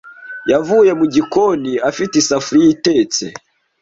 Yavuye mu gikoni afite isafuriya itetse.